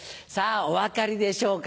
お分かりでしょうか？